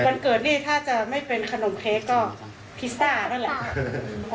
วันเกิดนี่ถ้าจะไม่เป็นขนมเค้กก็พิซซ่านั่นแหละค่ะ